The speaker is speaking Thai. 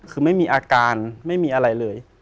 คือไม่มีอาการไม่มีอะไรเลย